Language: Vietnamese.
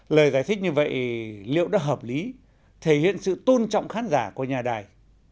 lời giải thích như vậy liệu đã hợp lý thể hiện sự tôn trọng khán giả của nhà đài